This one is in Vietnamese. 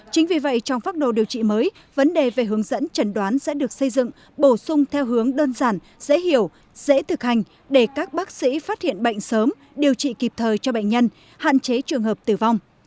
chính vì vậy trong phác đồ điều trị mới vấn đề về hướng dẫn chẩn đoán sẽ được xây dựng bổ sung theo hướng đơn giản dễ hiểu dễ thực hành để các bác sĩ phát hiện bệnh sớm điều trị kịp thời cho bệnh nhân hạn chế trường hợp tử vong